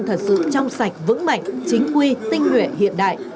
thật sự trong sạch vững mạnh chính quy tinh nguyện hiện đại